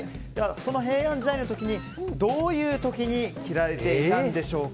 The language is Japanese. その平安時代の時にどういう時に着られていたんでしょうか。